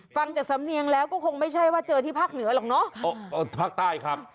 ฟังจากสำเนียงแล้วก็คงไม่ใช่ว่าเจอที่ภาคเหนือหรอกเนอะภาคใต้ครับ